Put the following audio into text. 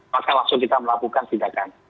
maka langsung kita melakukan tindakan